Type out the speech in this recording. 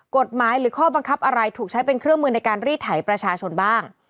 กฎหมายหรือข้อบังคับอะไรถูกใช้เป็นเครื่องมือในการรีดไถประชาชนบ้าง